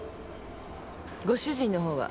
ご主人のほうは？